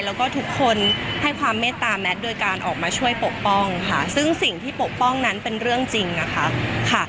แล้วก็ทุกคนให้ความเมตตาแมทโดยการออกมาช่วยปกป้องค่ะซึ่งสิ่งที่ปกป้องนั้นเป็นเรื่องจริงนะคะค่ะ